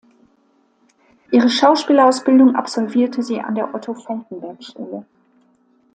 Ihre Schauspielausbildung absolvierte sie an der Otto-Falckenberg-Schule.